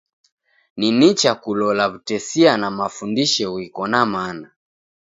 Ni nicha kulola w'utesia na mafundisho ghiko na mana.